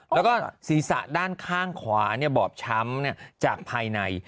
แล้วก็ศีรษะด้านข้างขวาบอบช้ำจากภายใน